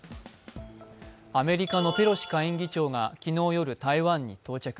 アメリカのペロシ下院議長が昨日夜、台湾に到着。